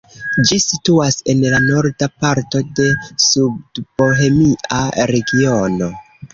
Ĝi situas en la norda parto de Sudbohemia regiono.